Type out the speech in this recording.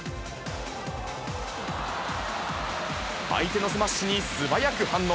相手のスマッシュに素早く反応。